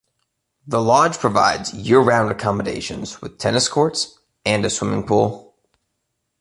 The lodge provides year-round accommodations with tennis courts and a swimming pool.